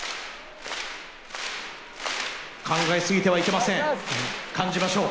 考えすぎてはいけません、感じましょう。